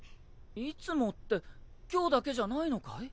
いつもって今日だけじゃないのかい？